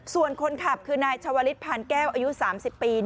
ส่วนคนขับคือนายชาวลิศพานแก้วอายุ๓๐ปี